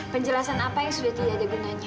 penjelasan apa yang sudah tidak ada gunanya